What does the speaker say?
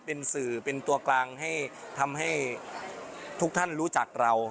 เป็นสื่อเป็นตัวกลางให้ทำให้ทุกท่านรู้จักเรา